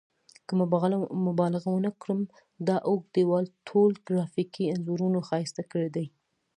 که مبالغه ونه کړم دا اوږد دیوال ټول ګرافیکي انځورونو ښایسته کړی دی.